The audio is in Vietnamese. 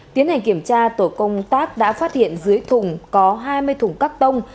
tiến hành kiểm tra tổ công tác đã phát hiện dưới thùng có hai mươi thùng cắt tông